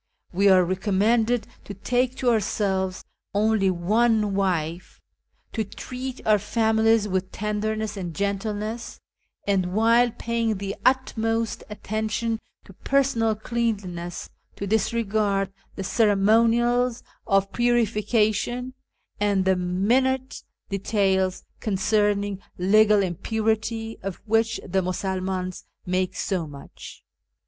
We are recommended to take to ourselves only one wife, to treat our families with tenderness and gentleness, and, while paying the utmost attention to personal cleanliness, to disregard the ceremonials of purification and the minute details concerning legal impurity, of which the Musulmans make so much.